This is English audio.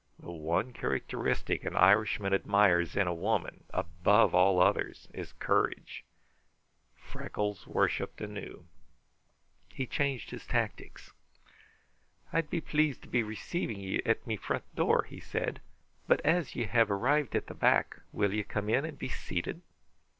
The one characteristic an Irishman admires in a woman, above all others, is courage. Freckles worshiped anew. He changed his tactics. "I'd be pleased to be receiving you at me front door," he said, "but as you have arrived at the back, will you come in and be seated?"